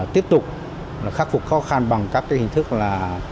tiếp tục khắc phục khó khăn bằng các hình thức là